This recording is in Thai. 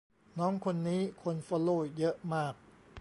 น้องคนนี้คนฟอลโลว์เยอะมาก